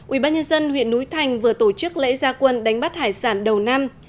ubnd huyện núi thành vừa tổ chức lễ gia quân đánh bắt hải sản đầu năm